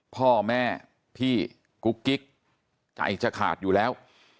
พ่อแม่พี่กุ๊กกิ๊กใจจะขาดอยู่แล้ว